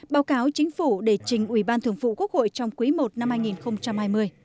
báo cáo chính phủ để trình ubthqh trong quý i năm hai nghìn hai mươi